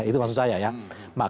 itu maksud saya ya